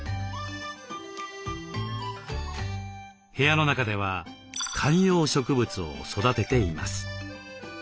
部屋の中では観葉植物を育てています。